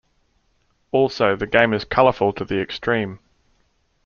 Also, the game is colorful to the extreme.".